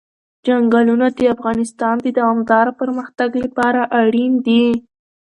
چنګلونه د افغانستان د دوامداره پرمختګ لپاره اړین دي.